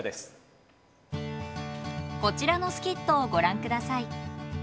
こちらのスキットをご覧ください。